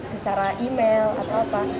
secara email atau apa